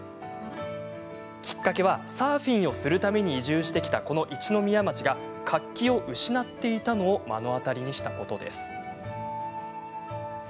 きっかけはサーフィンをするために移住してきた、この一宮町が活気を失っていたのを目の当たりにしたことです。